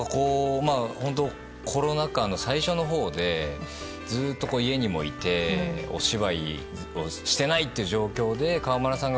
コロナ禍の最初のほうでずっと家にもいてお芝居をしていないという状況で川村さん